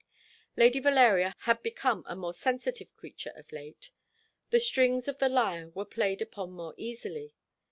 Lady Valeria had become a more sensitive creature of late. The strings of the lyre were played upon more easily.